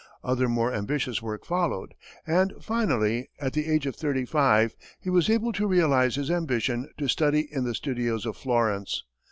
Other more ambitious work followed, and finally, at the age of thirty five, he was able to realize his ambition to study in the studios of Florence.